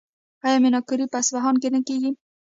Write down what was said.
آیا میناکاري په اصفهان کې نه کیږي؟